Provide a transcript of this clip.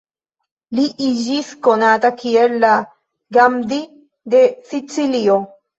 Li iĝis konata kiel la "Gandhi de Sicilio".